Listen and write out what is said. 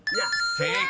［正解。